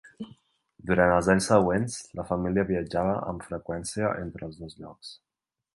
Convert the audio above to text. Durant els anys següents, la família viatjava amb freqüència entre els dos llocs.